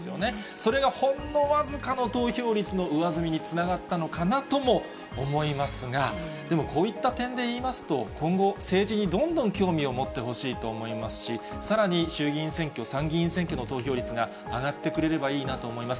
それがほんの僅かの投票率の上積みにつながったのかなとも思いますが、でもこういった点でいいますと、今後、政治にどんどん興味を持ってほしいと思いますし、さらに衆議院選挙、参議院選挙の投票率が上がってくれればいいなと思います。